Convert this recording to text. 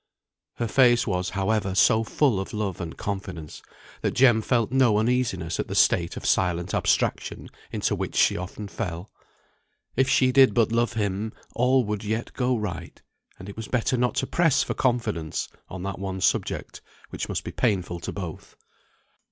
Her face was, however, so full of love and confidence, that Jem felt no uneasiness at the state of silent abstraction into which she often fell. If she did but love him, all would yet go right; and it was better not to press for confidence on that one subject which must be painful to both.